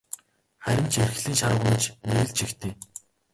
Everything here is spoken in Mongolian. Харин ч эрхлэн шарваганаж нэг л жигтэй.